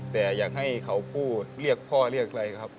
แต่อยากให้เขาพูดเรียกพ่อเรียกอะไรครับ